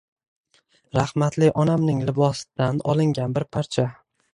«rahmatli onamning libostsdan olingan bir parcha...»